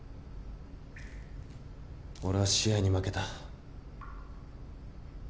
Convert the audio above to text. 俺は試合に負けた。